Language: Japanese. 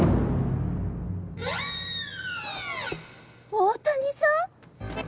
大谷さん！？